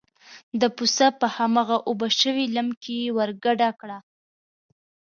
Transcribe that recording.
د پسه په هماغه اوبه شوي لم کې یې ور ګډه کړه.